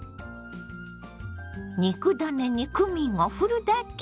肉ダネにクミンをふるだけ！